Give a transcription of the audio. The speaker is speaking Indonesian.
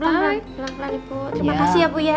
baik pelan pelan ibu terima kasih ya bu ya